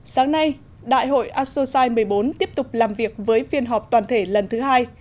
sáng nay đại hội asosai một mươi bốn tiếp tục làm việc với phiên họp toàn thể lần thứ hai